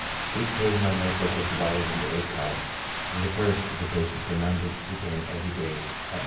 Each page of my note book was divided into eight col umns. In the first, the patients were numbered, beginning every day at No.